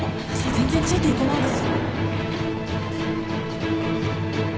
全然ついていけないです。